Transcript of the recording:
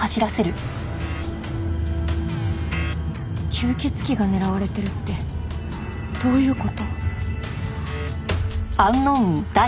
吸血鬼が狙われてるってどういう事？